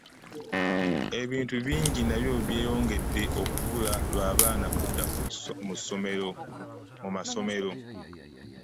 ebintu bingi nabyo byeyongedde okubula lwa baana kudda mu masomero.